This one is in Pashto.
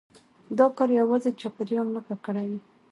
دا کار يوازي چاپېريال نه ککړوي،